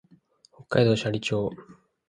北海道斜里町